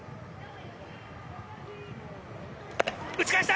打ち返した！